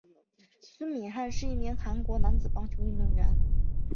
孙敏汉是一名韩国男子棒球运动员。